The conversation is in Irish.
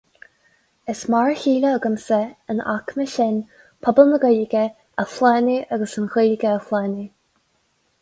Is mar a chéile agamsa, an aicme sin, pobal na Gaeilge, a shlánú agus an Ghaeilge a shlánú.